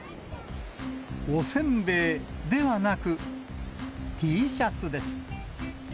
おせんべいではなく、Ｔシャツです。